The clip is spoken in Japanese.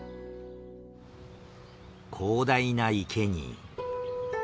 広大な池に。